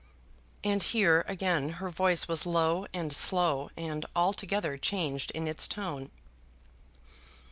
And here again her voice was low and slow, and altogether changed in its tone.